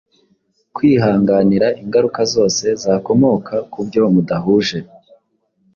Kwihanganira ingaruka zose zakomoka kubyo mudahuje